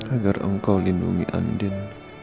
agar engkau lindungi andin